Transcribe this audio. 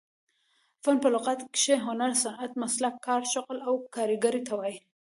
فن په لغت کښي هنر، صنعت، مسلک، کار، شغل او کاریګرۍ ته وايي.